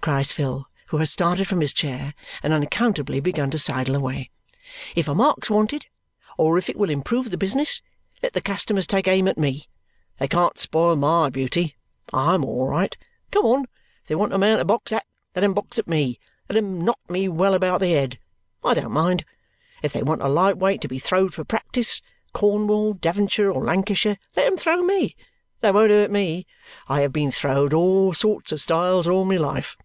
cries Phil, who has started from his chair and unaccountably begun to sidle away. "If a mark's wanted, or if it will improve the business, let the customers take aim at me. They can't spoil MY beauty. I'M all right. Come on! If they want a man to box at, let 'em box at me. Let 'em knock me well about the head. I don't mind. If they want a light weight to be throwed for practice, Cornwall, Devonshire, or Lancashire, let 'em throw me. They won't hurt ME. I have been throwed, all sorts of styles, all my life!"